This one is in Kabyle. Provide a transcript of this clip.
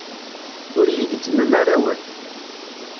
Ur yi-gezzmem ara awal.